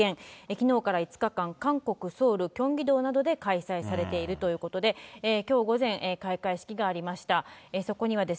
きのうから５日間、韓国・ソウル、キョンギ道などで開催されているということで、きょう午前、開会式がありました。